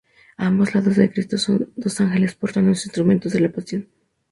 A ambos lados de Cristo dos ángeles portan los instrumentos de la Pasión.